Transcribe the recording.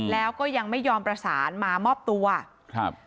แล้วก็ยังไม่ยอมประสานมามอบตัวครับ